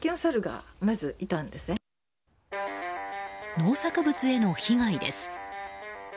農作物への被害です。